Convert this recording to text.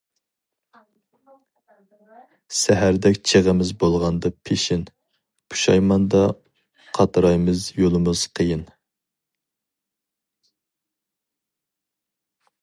سەھەردەك چېغىمىز بولغاندا پېشىن، پۇشايماندا قاترايمىز يولىمىز قىيىن.